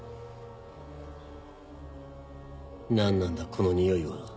何なんだこのにおいは。